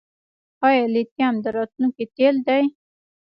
آیا لیتیم د راتلونکي تیل دي؟